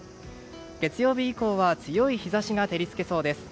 月曜日以降は強い日差しが照り付けそうです。